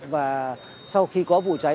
và sau khi có vụ cháy